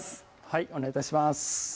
はいお願い致します